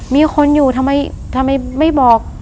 มีคนอยู่ทำไมไม่บอก